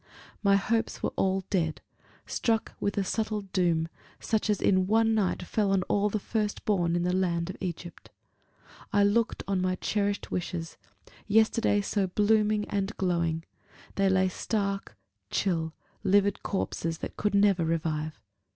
My hopes were all dead struck with a subtle doom, such as in one night fell on all the first born in the land of Egypt. I looked on my cherished wishes, yesterday so blooming and glowing; they lay stark, chill, livid corpses that could never revive.